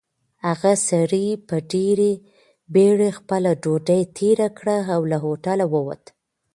هغه سړي په ډېرې بېړۍ خپله ډوډۍ تېره کړه او له هوټله ووت.